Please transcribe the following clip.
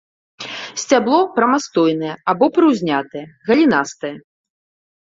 Сцябло прамастойнае або прыўзнятае, галінастае.